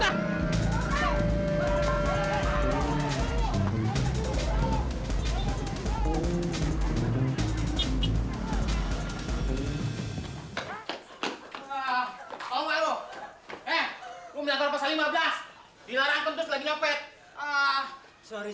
hai ah oh eh umrah pasal lima belas dilarang tentu selagi nyopet ah sorry